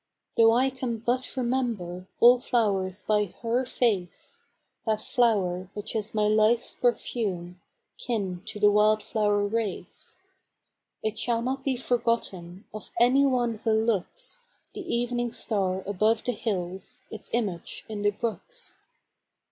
Though I can but remember All flowers by her face, That flow'r, which is my life's perfume, Kin to the wild flow'r race. It shall not be forgotten Of any one who looks, The evening star above the hills, Its image in the brooks.